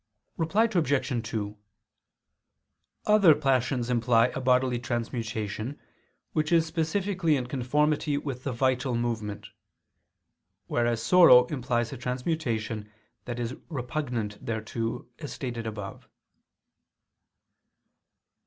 Reply Obj. 2: Other passions imply a bodily transmutation which is specifically in conformity with the vital movement: whereas sorrow implies a transmutation that is repugnant thereto, as stated above.